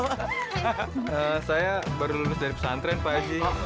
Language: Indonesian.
hahaha saya baru lulus dari pesantren pak eji